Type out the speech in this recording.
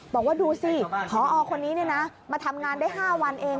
บอกว่าดูสิพอคนนี้มาทำงานได้๕วันเอง